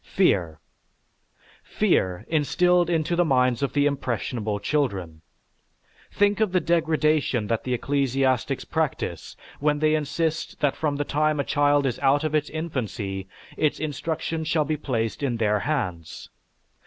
Fear! Fear! instilled into the minds of the impressionable children! Think of the degradation that the ecclesiastics practice when they insist that from the time a child is out of its infancy its instruction shall be placed in their hands.